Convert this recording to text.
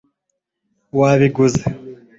wabiguze